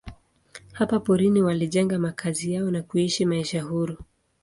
Hapa porini walijenga makazi yao na kuishi maisha huru.